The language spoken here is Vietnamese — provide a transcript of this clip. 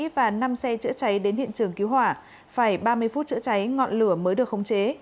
và năm xe chữa cháy đến hiện trường cứu hỏa phải ba mươi phút chữa cháy ngọn lửa mới được khống chế